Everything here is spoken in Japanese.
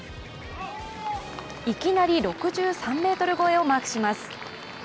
いきなり６３ｍ超えをマークします。